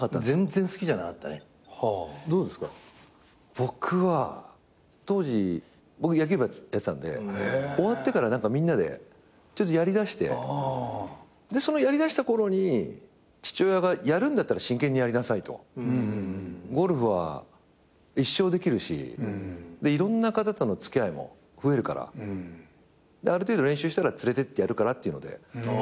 僕は当時僕野球部やってたんで終わってからみんなでやりだしてそのやりだしたころに父親がやるんだったら真剣にやりなさいとゴルフは一生できるしいろんな方との付き合いも増えるからある程度練習したら連れてってやるからっていうので。